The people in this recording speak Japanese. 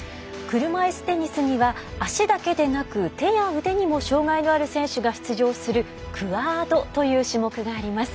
車いすテニスには足だけでなく手や腕にも障がいのある選手が出場するクアードという種目があります。